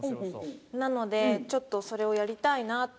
なのでちょっとそれをやりたいなって思って。